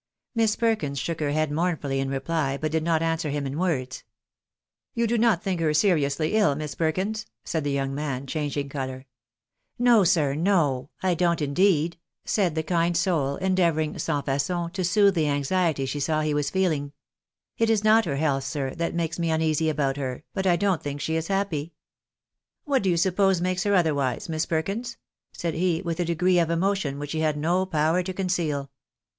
Miss Perkins shook her head mournfully in reply, but did not answer him in words. " You do not think her seriously ill, Miss Perkins?" said the young man, changing colour. " No, sir, no ; I don't, indeed," said the kind soul, endeavouring, sans facon, to soothe the anxiety she saw he was feehng. " It is not her health, sir, that makes me uneasy about her, but I don't think she is happy." "What do you suppose makes her otherwise, Miss Perkins? " said he, with a degree of emotion which he had no power to conceal.